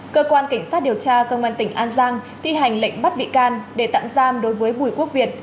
cơ quan cảnh sát điều tra công an tỉnh an giang thi hành lệnh bắt bị can để tạm giam đối với bùi quốc việt